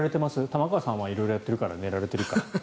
玉川さんは色々やってるから寝られてるか。